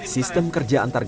sistem kerja antar genar